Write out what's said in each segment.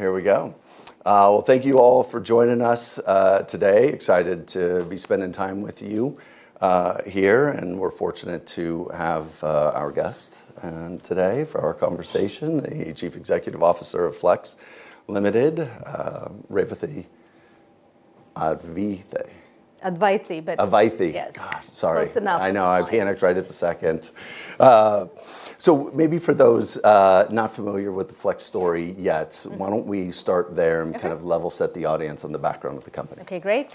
Here we go. Well, thank you all for joining us today. Excited to be spending time with you here, and we're fortunate to have our guest today for our conversation, the Chief Executive Officer of Flex Ltd, Revathi Advaithi. Advaithi, but. Advaithi. Yes. God, sorry. Close enough. I know. I panicked right at the second. So maybe for those, not familiar with the Flex story yet, why don't we start there and kind of level set the audience on the background of the company. Okay, great.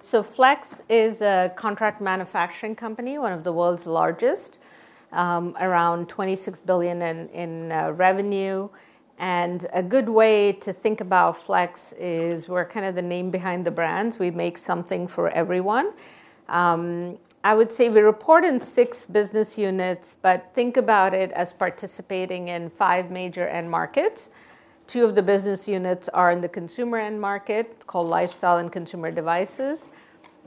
So Flex is a contract manufacturing company, one of the world's largest, around $26 billion in revenue. And a good way to think about Flex is we're kind of the name behind the brands. We make something for everyone. I would say we report in six business units, but think about it as participating in five major end markets. Two of the business units are in the consumer end market, called lifestyle and consumer devices.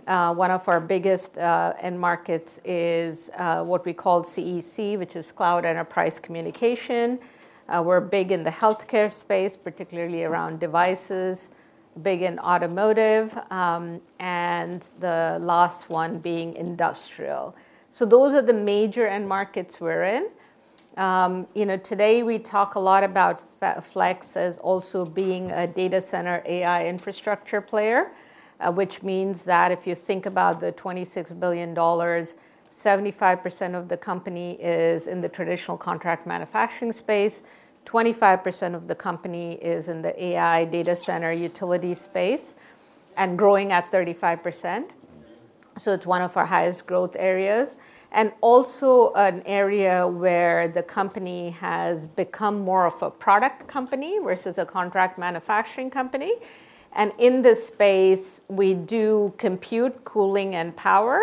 One of our biggest end markets is what we call CEC, which is Cloud Enterprise Communication. We're big in the healthcare space, particularly around devices, big in automotive, and the last one being industrial. So those are the major end markets we're in. You know, today we talk a lot about Flex as also being a data center AI infrastructure player, which means that if you think about the $26 billion, 75% of the company is in the traditional contract manufacturing space, 25% of the company is in the AI data center utility space, and growing at 35%. So it's one of our highest growth areas, and also an area where the company has become more of a product company versus a contract manufacturing company. And in this space, we do compute, cooling, and power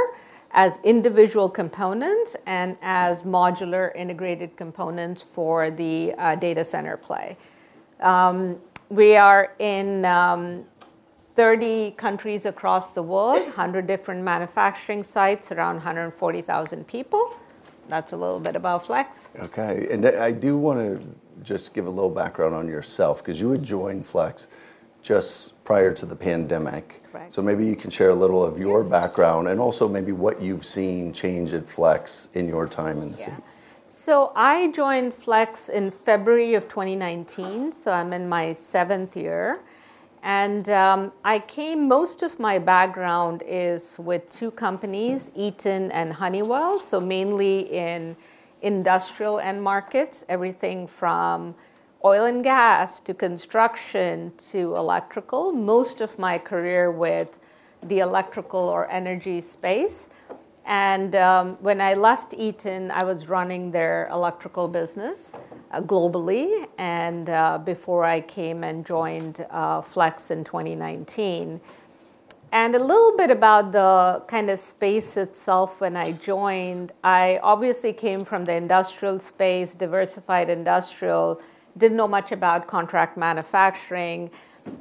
as individual components and as modular integrated components for the data center play. We are in 30 countries across the world, 100 different manufacturing sites, around 140,000 people. That's a little bit about Flex. Okay. And I do want to just give a little background on yourself, because you had joined Flex just prior to the pandemic. Right. So maybe you can share a little of your background and also maybe what you've seen change at Flex in your time in the city. Yeah. So I joined Flex in February of 2019, so I'm in my seventh year, and I came most of my background is with two companies, Eaton and Honeywell, so mainly in industrial end markets, everything from oil and gas to construction to electrical. Most of my career with the electrical or energy space, and when I left Eaton, I was running their electrical business, globally, and before I came and joined, Flex in 2019, and a little bit about the kind of space itself when I joined, I obviously came from the industrial space, diversified industrial, didn't know much about contract manufacturing,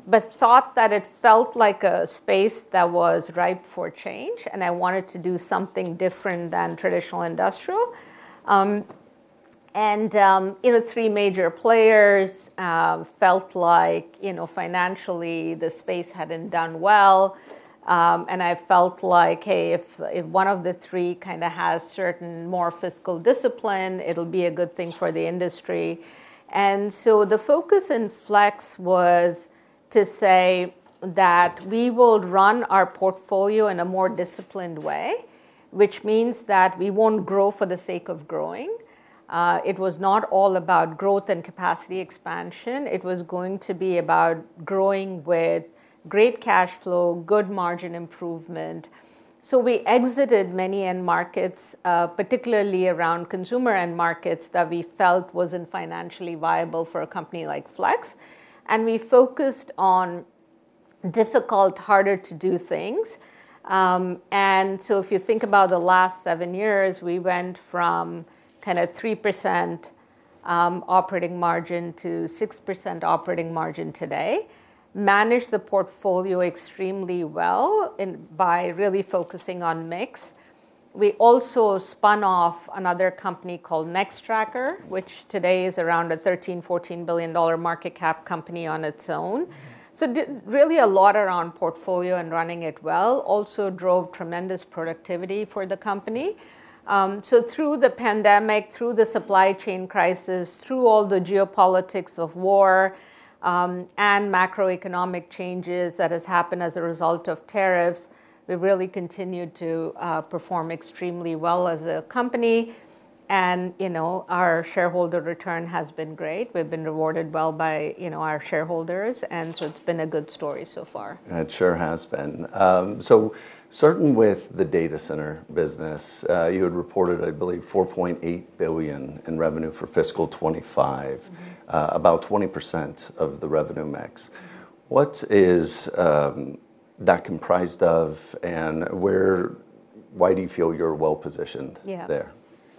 but thought that it felt like a space that was ripe for change, and I wanted to do something different than traditional industrial, and you know, three major players, felt like, you know, financially the space hadn't done well. And I felt like, hey, if one of the three kind of has certain more fiscal discipline, it'll be a good thing for the industry. And so the focus in Flex was to say that we will run our portfolio in a more disciplined way, which means that we won't grow for the sake of growing. It was not all about growth and capacity expansion. It was going to be about growing with great cash flow, good margin improvement. So we exited many end markets, particularly around consumer end markets that we felt wasn't financially viable for a company like Flex. And we focused on difficult, harder to do things. And so if you think about the last seven years, we went from kind of 3% operating margin to 6% operating margin today, managed the portfolio extremely well in by really focusing on mix. We also spun off another company called Nextracker, which today is around a $13-$14 billion market cap company on its own. So really a lot around portfolio and running it well also drove tremendous productivity for the company. So through the pandemic, through the supply chain crisis, through all the geopolitics of war, and macroeconomic changes that have happened as a result of tariffs, we really continued to perform extremely well as a company. And, you know, our shareholder return has been great. We've been rewarded well by, you know, our shareholders. And so it's been a good story so far. It sure has been. So certain with the data center business, you had reported, I believe, $4.8 billion in revenue for fiscal 2025, about 20% of the revenue mix. What is that comprised of and why do you feel you're well positioned there?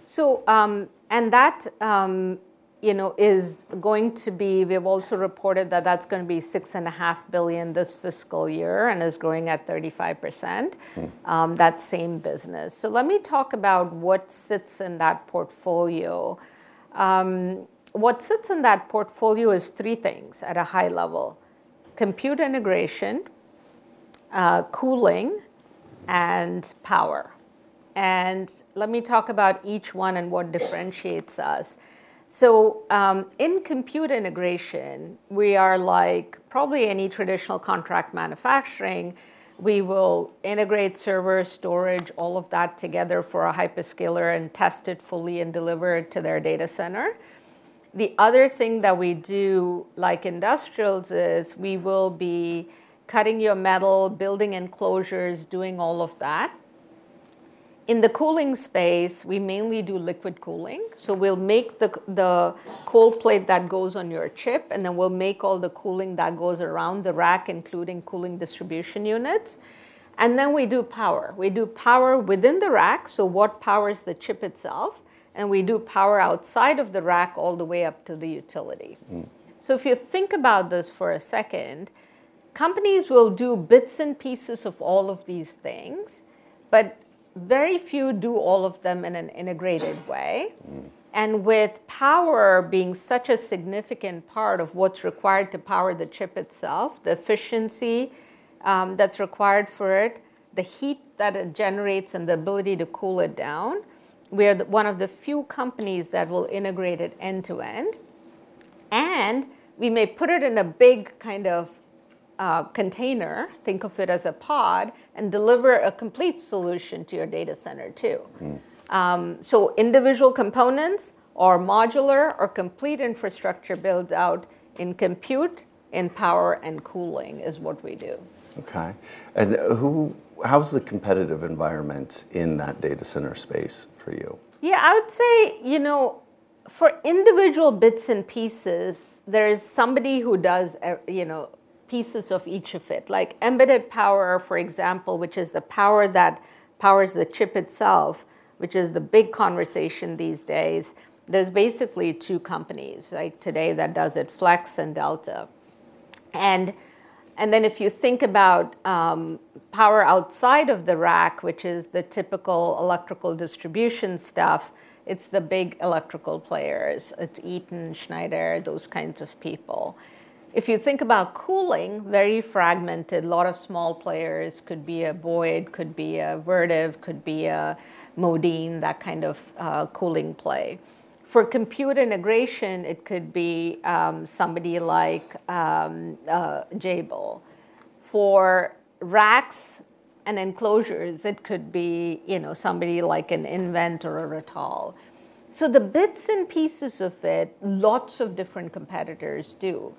Yeah. So, you know, we've also reported that that's going to be $6.5 billion this fiscal year and is growing at 35%, that same business. So let me talk about what sits in that portfolio. What sits in that portfolio is three things at a high level: compute integration, cooling, and power. Let me talk about each one and what differentiates us. In compute integration, we are like probably any traditional contract manufacturing. We will integrate server storage, all of that together for a hyperscaler and test it fully and deliver it to their data center. The other thing that we do, like industrials, is we will be cutting your metal, building enclosures, doing all of that. In the cooling space, we mainly do liquid cooling. So we'll make the cold plate that goes on your chip, and then we'll make all the cooling that goes around the rack, including cooling distribution units. And then we do power. We do power within the rack, so what powers the chip itself, and we do power outside of the rack all the way up to the utility. So if you think about this for a second, companies will do bits and pieces of all of these things, but very few do all of them in an integrated way. And with power being such a significant part of what's required to power the chip itself, the efficiency that's required for it, the heat that it generates, and the ability to cool it down, we are one of the few companies that will integrate it end to end. And we may put it in a big kind of container, think of it as a pod, and deliver a complete solution to your data center too, so individual components or modular or complete infrastructure build out in compute and power and cooling is what we do. Okay. And how's the competitive environment in that data center space for you? Yeah, I would say, you know, for individual bits and pieces, there's somebody who does, you know, pieces of each of it. Like embedded power, for example, which is the power that powers the chip itself, which is the big conversation these days. There's basically two companies, right, today that does it: Flex and Delta. And then if you think about power outside of the rack, which is the typical electrical distribution stuff, it's the big electrical players. It's Eaton, Schneider, those kinds of people. If you think about cooling, very fragmented, a lot of small players could be a Boyd, could be a Vertiv, could be a Modine, that kind of cooling play. For compute integration, it could be somebody like Jabil. For racks and enclosures, it could be, you know, somebody like a nVent or a Rittal. So the bits and pieces of it, lots of different competitors do.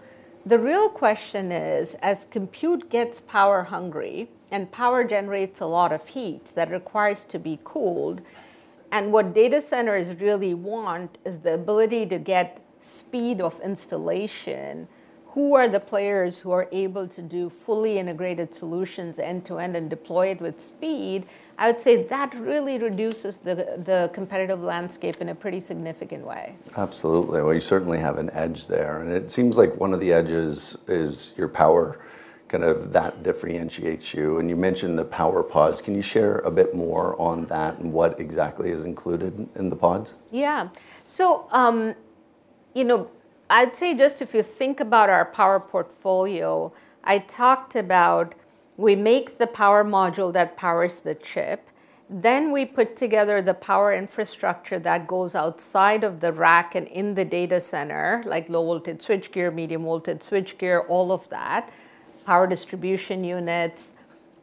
The real question is, as compute gets power hungry and power generates a lot of heat that requires to be cooled, and what data centers really want is the ability to get speed of installation. Who are the players who are able to do fully integrated solutions end to end and deploy it with speed? I would say that really reduces the competitive landscape in a pretty significant way. Absolutely. Well, you certainly have an edge there. And it seems like one of the edges is your power, kind of that differentiates you. And you mentioned the power pods. Can you share a bit more on that and what exactly is included in the pods? Yeah. So, you know, I'd say just if you think about our power portfolio, I talked about we make the power module that powers the chip. Then we put together the power infrastructure that goes outside of the rack and in the data center, like low-voltage switchgear, medium-voltage switchgear, all of that, power distribution units,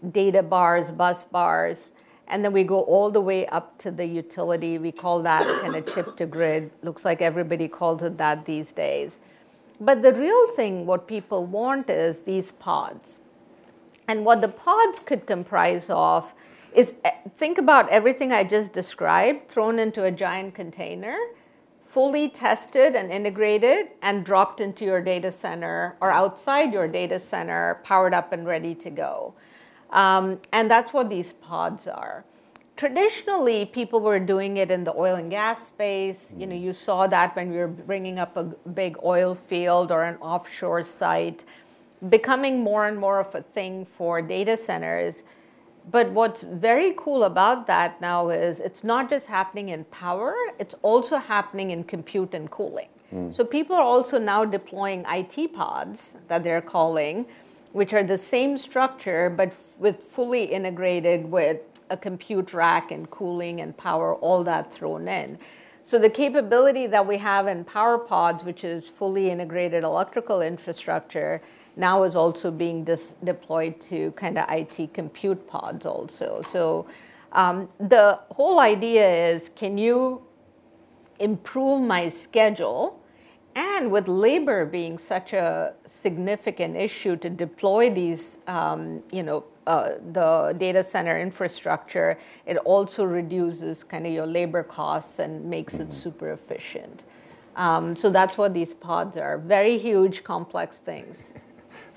Databars, bus bars, and then we go all the way up to the utility. We call that kind of chip to grid. Looks like everybody calls it that these days. But the real thing what people want is these pods. And what the pods could comprise of is think about everything I just described thrown into a giant container, fully tested and integrated and dropped into your data center or outside your data center, powered up and ready to go, and that's what these pods are. Traditionally, people were doing it in the oil and gas space. You know, you saw that when we were bringing up a big oil field or an offshore site, becoming more and more of a thing for data centers. But what's very cool about that now is it's not just happening in power, it's also happening in compute and cooling. So people are also now deploying IT pods that they're calling, which are the same structure, but with fully integrated with a compute rack and cooling and power, all that thrown in. So the capability that we have in power pods, which is fully integrated electrical infrastructure, now is also being deployed to kind of IT compute pods also. So, the whole idea is, can you improve my schedule? And with labor being such a significant issue to deploy these, you know, the data center infrastructure, it also reduces kind of your labor costs and makes it super efficient, so that's what these pods are. Very huge, complex things.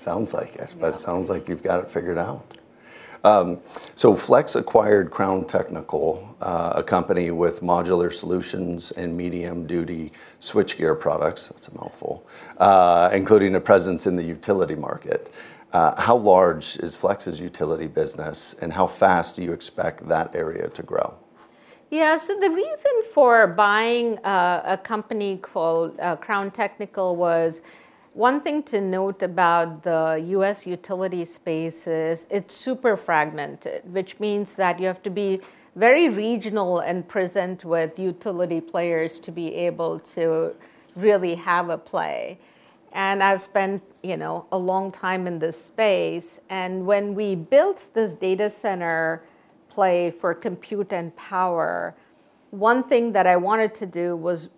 Sounds like it, but it sounds like you've got it figured out. So Flex acquired Crown Technical Systems, a company with modular solutions and medium-voltage switchgear products, that's a mouthful, including a presence in the utility market. How large is Flex's utility business and how fast do you expect that area to grow? Yeah, so the reason for buying a company called Crown Technical Systems was one thing to note about the U.S. utility space is it's super fragmented, which means that you have to be very regional and present with utility players to be able to really have a play. And I've spent, you know, a long time in this space. And when we built this data center play for compute and power, one thing that I wanted to do was,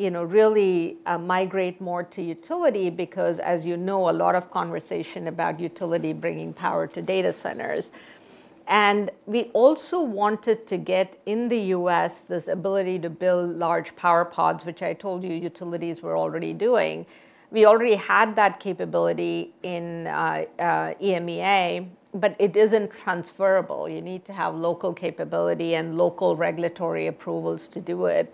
you know, really migrate more to utility because, as you know, a lot of conversation about utility bringing power to data centers. And we also wanted to get in the U.S. this ability to build large power pods, which I told you utilities were already doing. We already had that capability in EMEA, but it isn't transferable. You need to have local capability and local regulatory approvals to do it.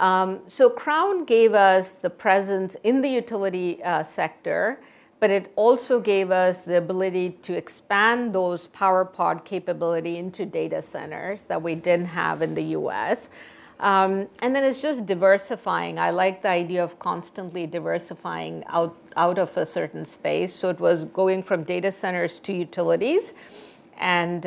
So Crown Technical Systems gave us the presence in the utility sector, but it also gave us the ability to expand those power pod capability into data centers that we didn't have in the U.S. and then it's just diversifying. I like the idea of constantly diversifying out of a certain space. So it was going from data centers to utilities and,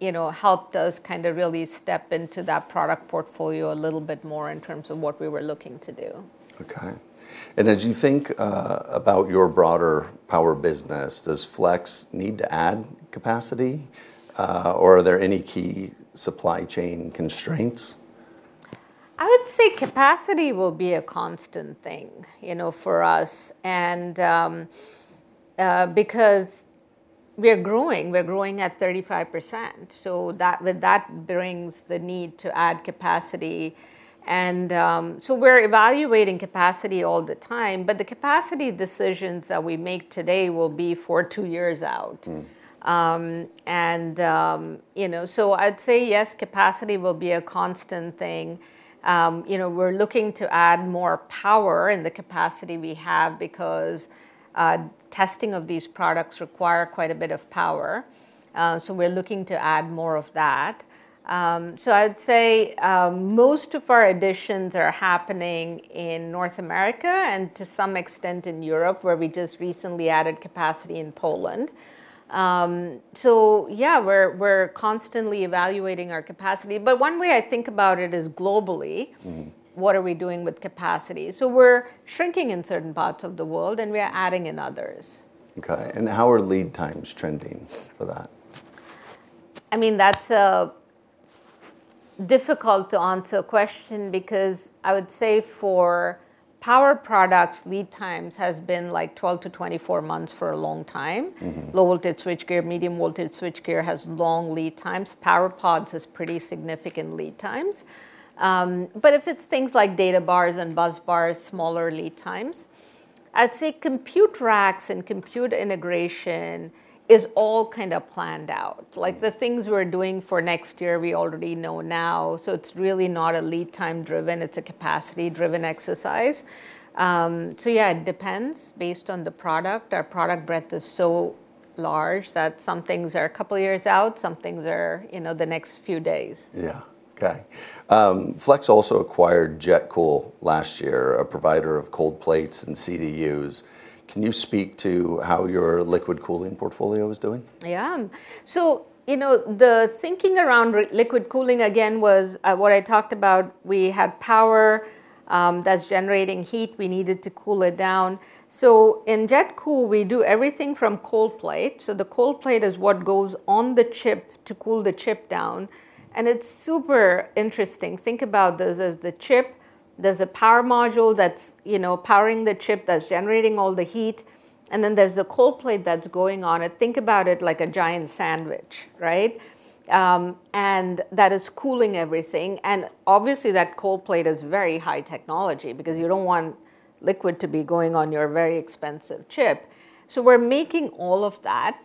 you know, helped us kind of really step into that product portfolio a little bit more in terms of what we were looking to do. Okay. And as you think about your broader power business, does Flex need to add capacity, or are there any key supply chain constraints? I would say capacity will be a constant thing, you know, for us. And because we are growing, we're growing at 35%. So that with that brings the need to add capacity. And so we're evaluating capacity all the time, but the capacity decisions that we make today will be for two years out. And you know, so I'd say yes, capacity will be a constant thing. You know, we're looking to add more power in the capacity we have because testing of these products require quite a bit of power. So we're looking to add more of that. So I'd say most of our additions are happening in North America and to some extent in Europe, where we just recently added capacity in Poland. So yeah, we're constantly evaluating our capacity. But one way I think about it is globally, what are we doing with capacity? We're shrinking in certain parts of the world and we're adding in others. Okay. And how are lead times trending for that? I mean, that's a difficult to answer question because I would say for power products, lead times has been like 12-24 months for a long time. Low-voltage switchgear, medium-voltage switchgear has long lead times. Power pods has pretty significant lead times. But if it's things like Databars and bus bars, smaller lead times. I'd say compute racks and compute integration is all kind of planned out. Like the things we're doing for next year, we already know now. So it's really not a lead time driven, it's a capacity driven exercise. So yeah, it depends based on the product. Our product breadth is so large that some things are a couple of years out, some things are, you know, the next few days. Yeah. Okay. Flex also acquired JetCool last year, a provider of cold plates and CDUs. Can you speak to how your liquid cooling portfolio is doing? Yeah. So, you know, the thinking around liquid cooling again was what I talked about. We have power, that's generating heat. We needed to cool it down. So in JetCool, we do everything from cold plate. So the cold plate is what goes on the chip to cool the chip down. And it's super interesting. Think about this as the chip, there's a power module that's, you know, powering the chip that's generating all the heat. And then there's a cold plate that's going on it. Think about it like a giant sandwich, right? And that is cooling everything. And obviously that cold plate is very high technology because you don't want liquid to be going on your very expensive chip. So we're making all of that.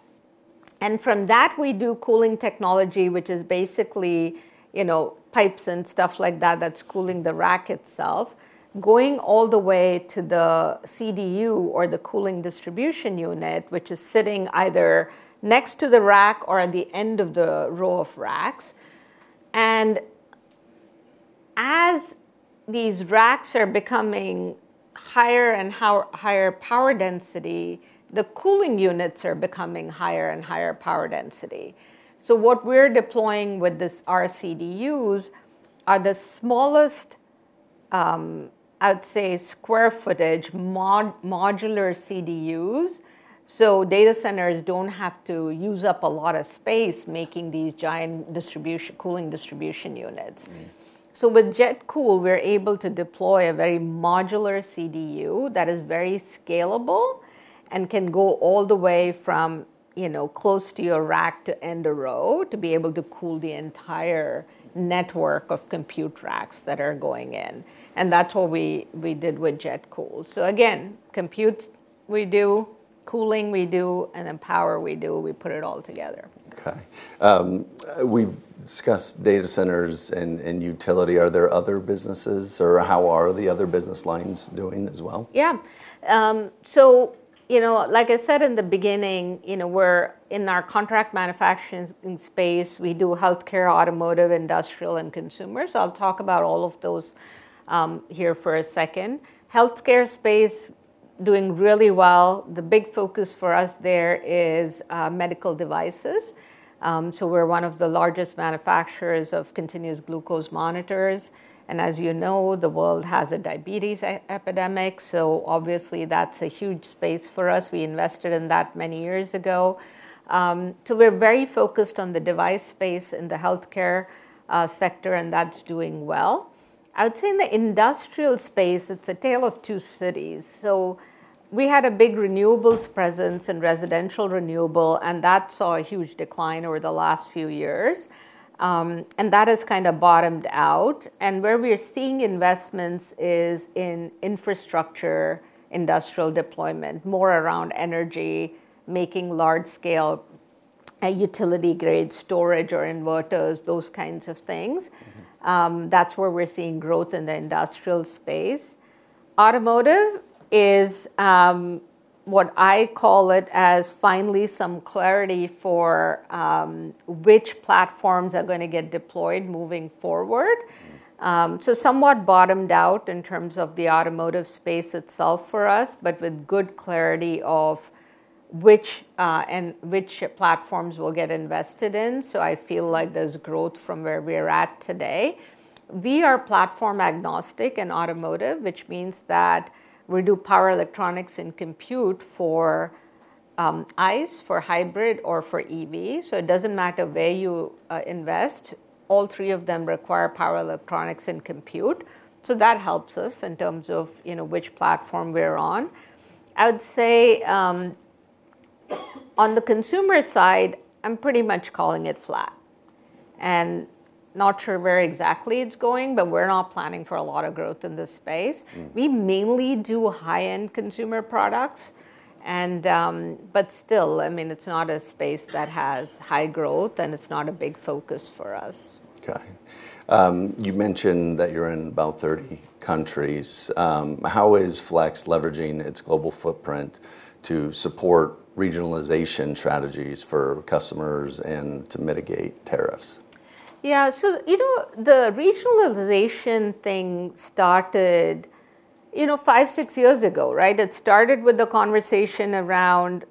From that, we do cooling technology, which is basically, you know, pipes and stuff like that that's cooling the rack itself, going all the way to the CDU or the cooling distribution unit, which is sitting either next to the rack or at the end of the row of racks. As these racks are becoming higher and higher power density, the cooling units are becoming higher and higher power density. What we're deploying with this RCDUs are the smallest, I'd say, square footage modular CDUs. Data centers don't have to use up a lot of space making these giant cooling distribution units. With JetCool, we're able to deploy a very modular CDU that is very scalable and can go all the way from, you know, close to your rack to end-of-row to be able to cool the entire network of compute racks that are going in. And that's what we did with JetCool. Again, compute we do, cooling we do, and then power we do. We put it all together. Okay. We've discussed data centers and, and utility. Are there other businesses or how are the other business lines doing as well? Yeah. So, you know, like I said in the beginning, you know, we're in our contract manufacturing space. We do healthcare, automotive, industrial, and consumers. I'll talk about all of those here for a second. Healthcare space doing really well. The big focus for us there is medical devices. So we're one of the largest manufacturers of continuous glucose monitors. And as you know, the world has a diabetes epidemic. So obviously that's a huge space for us. We invested in that many years ago. So we're very focused on the device space in the healthcare sector, and that's doing well. I would say in the industrial space, it's a tale of two cities. So we had a big renewables presence in residential renewable, and that saw a huge decline over the last few years. And that has kind of bottomed out. Where we're seeing investments is in infrastructure, industrial deployment, more around energy, making large scale, utility grade storage or inverters, those kinds of things. That's where we're seeing growth in the industrial space. Automotive is, what I call it as finally some clarity for, which platforms are going to get deployed moving forward. Somewhat bottomed out in terms of the automotive space itself for us, but with good clarity of which, and which platforms we'll get invested in. I feel like there's growth from where we are at today. We are platform agnostic in automotive, which means that we do power electronics and compute for, ICE, for hybrid, or for EV. It doesn't matter where you, invest. All three of them require power electronics and compute. That helps us in terms of, you know, which platform we're on. I would say, on the consumer side, I'm pretty much calling it flat and not sure where exactly it's going, but we're not planning for a lot of growth in this space. We mainly do high-end consumer products and, but still, I mean, it's not a space that has high growth and it's not a big focus for us. Okay. You mentioned that you're in about 30 countries. How is Flex leveraging its global footprint to support regionalization strategies for customers and to mitigate tariffs? Yeah. So, you know, the regionalization thing started, you know, five, six years ago, right? It started with the conversation around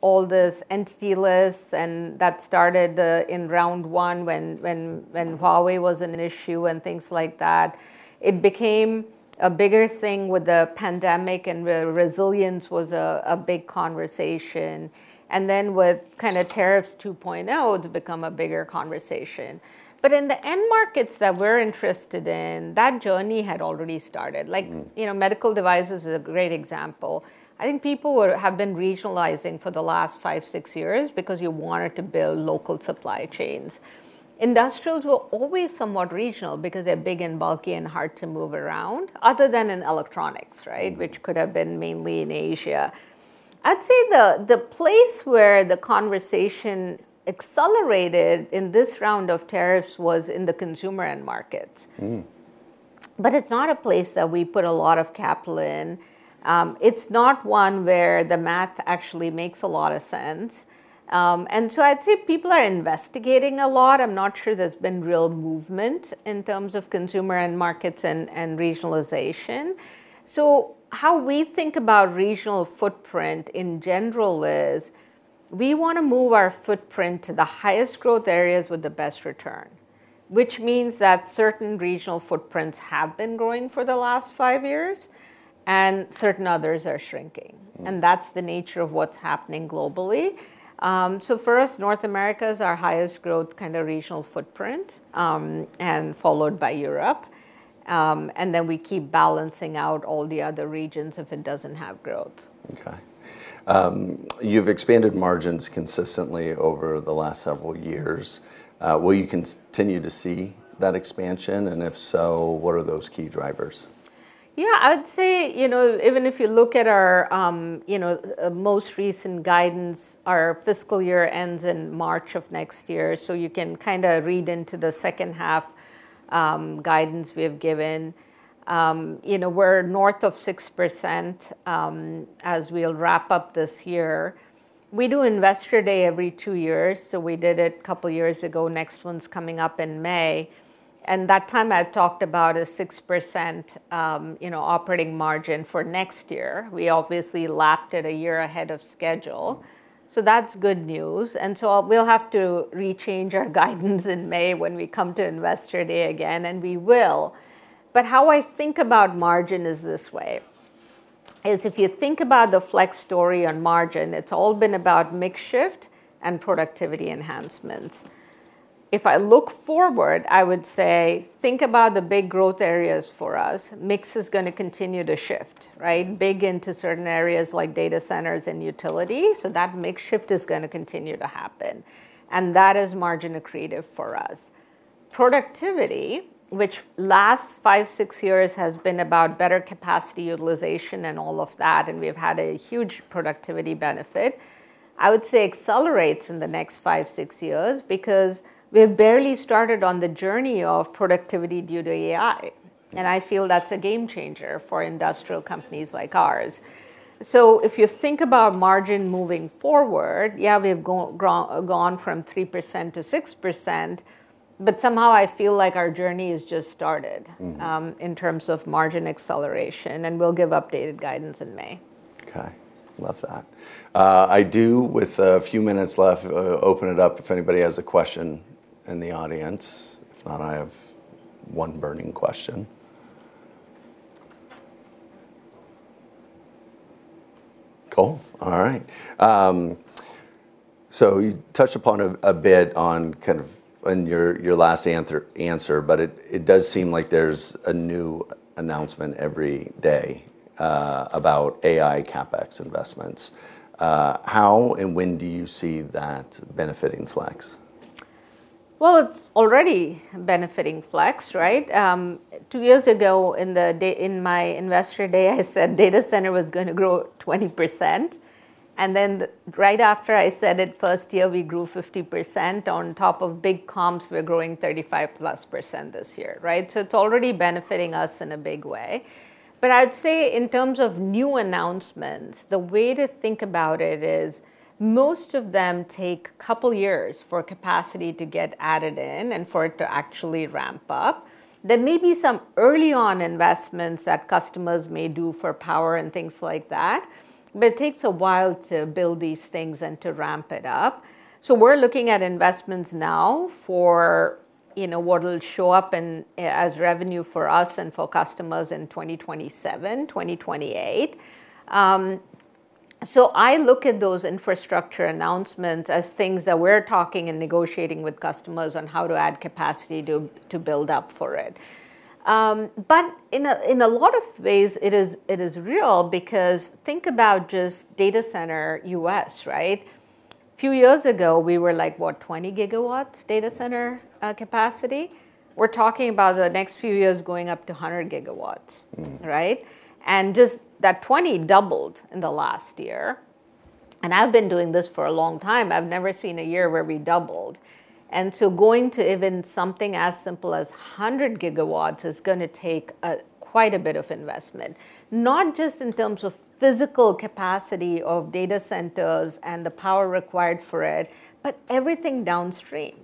all this entity lists and that started in round one when Huawei was an issue and things like that. It became a bigger thing with the pandemic and where resilience was a big conversation. And then with kind of tariffs 2.0, it's become a bigger conversation. But in the end markets that we're interested in, that journey had already started. Like, you know, medical devices is a great example. I think people have been regionalizing for the last five, six years because you wanted to build local supply chains. Industrials were always somewhat regional because they're big and bulky and hard to move around, other than in electronics, right? Which could have been mainly in Asia. I'd say the place where the conversation accelerated in this round of tariffs was in the consumer end markets. But it's not a place that we put a lot of capital in. It's not one where the math actually makes a lot of sense, and so I'd say people are investigating a lot. I'm not sure there's been real movement in terms of consumer end markets and regionalization, so how we think about regional footprint in general is we want to move our footprint to the highest growth areas with the best return, which means that certain regional footprints have been growing for the last five years and certain others are shrinking, and that's the nature of what's happening globally, so for us, North America is our highest growth kind of regional footprint, and followed by Europe. and then we keep balancing out all the other regions if it doesn't have growth. Okay. You've expanded margins consistently over the last several years. Will you continue to see that expansion, and if so, what are those key drivers? Yeah, I'd say, you know, even if you look at our, you know, most recent guidance, our fiscal year ends in March of next year. So you can kind of read into the second half guidance we have given. You know, we're north of 6%, as we'll wrap up this year. We do Investor Day every two years. So we did it a couple of years ago. Next one's coming up in May, and at that time I've talked about a 6%, you know, operating margin for next year. We obviously lapped it a year ahead of schedule. So that's good news, and so we'll have to re-change our guidance in May when we come to Investor Day again, and we will. But how I think about margin is this way: if you think about the Flex story on margin, it's all been about mix shift and productivity enhancements. If I look forward, I would say think about the big growth areas for us. Mix is going to continue to shift, right? Big into certain areas like data centers and utility. So that mix shift is going to continue to happen. And that is margin accretive for us. Productivity, which last five, six years has been about better capacity utilization and all of that, and we've had a huge productivity benefit, I would say accelerates in the next five, six years because we have barely started on the journey of productivity due to AI. And I feel that's a game changer for industrial companies like ours. So if you think about margin moving forward, yeah, we have gone from 3% to 6%, but somehow I feel like our journey has just started, in terms of margin acceleration. And we'll give updated guidance in May. Okay. Love that. I do, with a few minutes left, open it up if anybody has a question in the audience. If not, I have one burning question. Cool. All right. So you touched upon a bit on kind of in your last answer, but it does seem like there's a new announcement every day about AI CapEx investments. How and when do you see that benefiting Flex? It's already benefiting Flex, right? Two years ago on Investor Day, I said data center was going to grow 20%. Then right after I said it, first year we grew 50% on top of big comms. We're growing 35%+ this year, right? It's already benefiting us in a big way. I'd say in terms of new announcements, the way to think about it is most of them take a couple of years for capacity to get added in and for it to actually ramp up. There may be some early on investments that customers may do for power and things like that, but it takes a while to build these things and to ramp it up. We're looking at investments now for, you know, what'll show up in as revenue for us and for customers in 2027, 2028. So I look at those infrastructure announcements as things that we're talking and negotiating with customers on how to add capacity to build up for it. But in a lot of ways it is real because think about just data center U.S., right? A few years ago we were like, what, 20 GW data center capacity. We're talking about the next few years going up to a 100 GW, right? And just that 20 GW doubled in the last year. And I've been doing this for a long time. I've never seen a year where we doubled. And so going to even something as simple as a 100 GW is going to take quite a bit of investment, not just in terms of physical capacity of data centers and the power required for it, but everything downstream.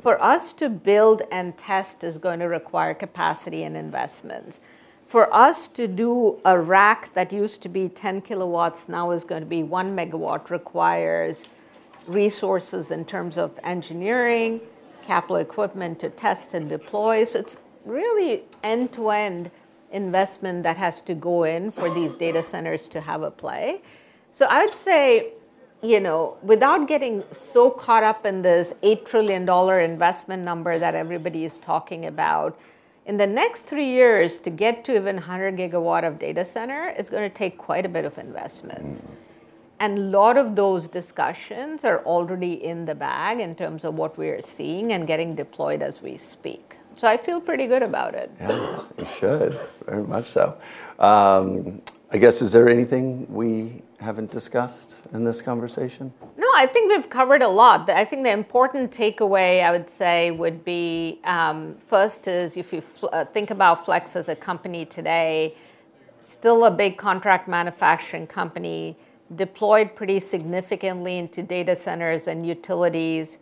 For us to build and test is going to require capacity and investments. For us to do a rack that used to be 10 kW, now is going to be 1 MW requires resources in terms of engineering, capital equipment to test and deploy. So it's really end to end investment that has to go in for these data centers to have a play. So I would say, you know, without getting so caught up in this $8 trillion investment number that everybody is talking about, in the next three years to get to even a 100 GW of data center is going to take quite a bit of investment, and a lot of those discussions are already in the bag in terms of what we are seeing and getting deployed as we speak, so I feel pretty good about it. Yeah, you should very much so. I guess, is there anything we haven't discussed in this conversation? No, I think we've covered a lot. I think the important takeaway I would say would be, first is if you think about Flex as a company today, still a big contract manufacturing company, deployed pretty significantly into data centers and utilities,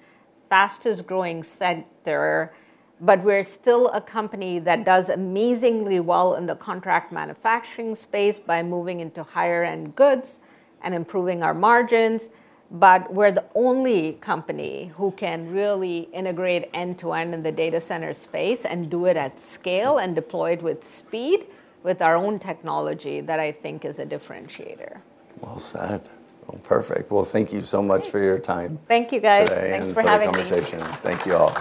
fastest growing sector, but we're still a company that does amazingly well in the contract manufacturing space by moving into higher end goods and improving our margins. But we're the only company who can really integrate end to end in the data center space and do it at scale and deploy it with speed with our own technology that I think is a differentiator. Well said. Well, perfect. Well, thank you so much for your time. Thank you guys. Thanks for having me. Thank you.